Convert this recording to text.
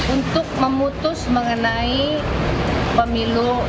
untuk memutus mengenai pemilu dua ribu dua puluh empat